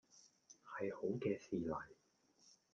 係好嘅事嚟